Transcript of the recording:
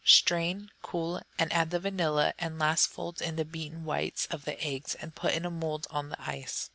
Strain, cool, and add the vanilla, and last fold in the beaten whites of the eggs, and put in a mould on the ice.